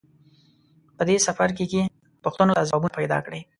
په دې څپرکي کې پوښتنو ته ځوابونه پیداکړئ.